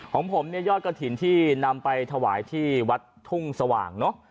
ของผมยอดกระถิ่นที่นำไปถวายที่วัดทุ่งสว่าง